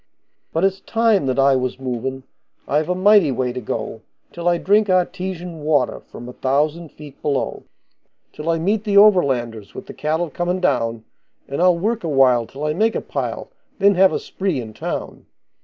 But it's time that I was movin', I've a mighty way to go Till I drink artesian water from a thousand feet below; Till I meet the overlanders with the cattle comin' down, And I'll work a while till I make a pile, then have a spree in town.